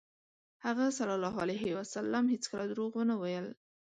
هغه ﷺ هېڅکله دروغ ونه ویل.